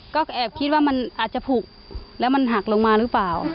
ก็แอบคิดว่ามันอาจจะผูกแล้วมันหักลงมาหรือเปล่า